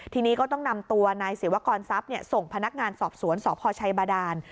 ทีนี้ก็ต้องนำตัวนายศิวกรทรัพย์ส่งพนักงานสอบสวนสพชัยบาดาน